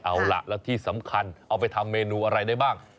เอาล่ะแล้วที่สำคัญเอาไปทำเมนูอะไรได้บ้าง